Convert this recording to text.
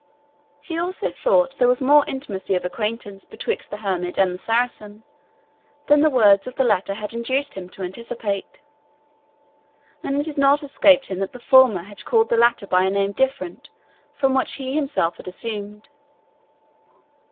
He thought also there was more intimacy of acquaintance betwixt the hermit and the Saracen than the words of the latter had induced him to anticipate; and it had not escaped him that the former had called the latter by a name different from that which he himself had assumed.